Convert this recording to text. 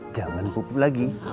jangan pupuk lagi